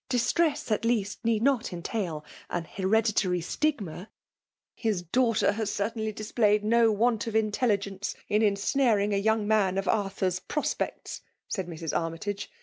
Distress, at least, need not entail aa hereditary stigma." '' His daughter has certainly displayed no want of intelligence in ensnaring a young man of Arthur's prospects,*' said Mrs. Armytage